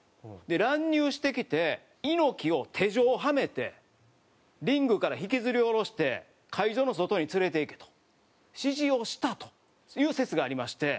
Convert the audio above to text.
乱入してきて猪木を手錠をはめてリングから引きずり下ろして会場の外に連れて行けと指示をしたという説がありまして。